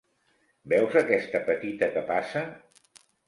Veus aquesta petita que passa?